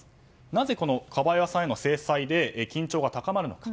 なぜこのカバエワさんへの制裁で緊張が高まるのか。